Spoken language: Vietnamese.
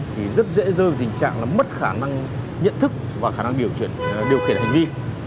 thì rất dễ dơ tình trạng là mất khả năng nhận thức và khả năng điều khiển hành vi